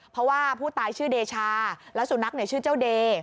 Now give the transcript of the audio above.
เพราะว่าผู้ตายชื่อเดชาแล้วสุนัขชื่อเจ้าเด